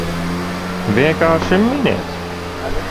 Vienkārši miniet!